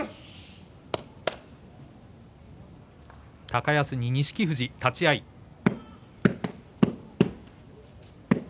高安に錦富士、立ち合いです。